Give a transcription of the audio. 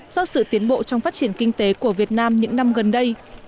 do sự tiến bộ trong phát triển kinh tế của việt nam những năm gần đây